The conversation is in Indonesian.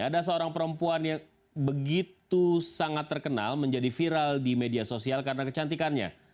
ada seorang perempuan yang begitu sangat terkenal menjadi viral di media sosial karena kecantikannya